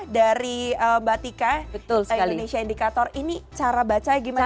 dari mbak tika indonesia indikator ini cara bacanya gimana mbak